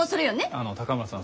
あの高村さん